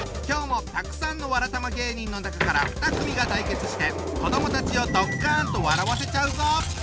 今日もたくさんのわらたま芸人の中から２組が対決して子どもたちをドッカンと笑わせちゃうぞ！